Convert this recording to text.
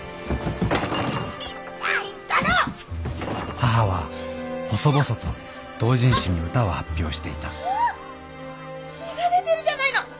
母は細々と同人誌に歌を発表していた血が出てるじゃないの。